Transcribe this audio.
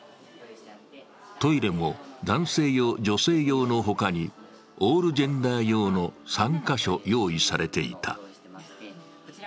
トイレも男性用、女性用のほかにオールジェンダー用の３か所用意されていた。